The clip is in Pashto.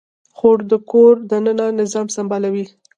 خور د کور دننه نظام سمبالوي.